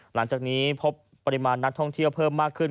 หลังจากนี้พบปริมาณนักท่องเที่ยวเพิ่มมากขึ้น